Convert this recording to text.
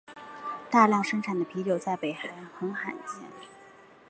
大量生产的啤酒在北韩很常见。